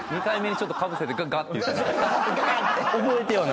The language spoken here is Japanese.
２回目にちょっとかぶせて「ガガ」って。